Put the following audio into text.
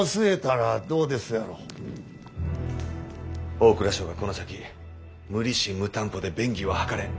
大蔵省が「この先無利子無担保で便宜は図れん。